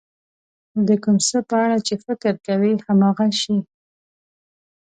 د کوم څه په اړه چې فکر کوئ هماغه شی.